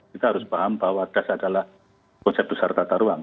kita harus paham bahwa tes adalah konsep besar tata ruang